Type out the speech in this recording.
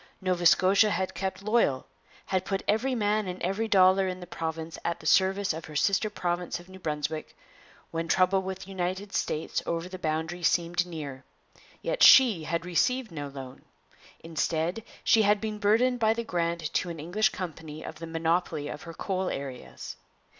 Nova Scotia had kept loyal; had put every man and every dollar in the province at the service of her sister province of New Brunswick, when trouble with the United States over the boundary seemed near. Yet she had received no loan; instead, she had been burdened by the grant to an English company of the monopoly of her coal areas.